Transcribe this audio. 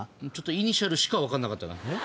イニシャルしか分かんなかったな。